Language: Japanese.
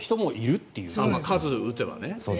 数打てばね。